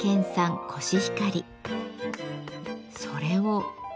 それを。